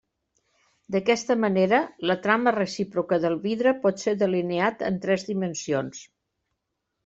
D'aquesta manera, la trama recíproca del vidre pot ser delineat en tres dimensions.